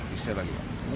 disisir lagi pak